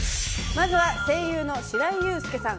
まずは声優の白井悠介さん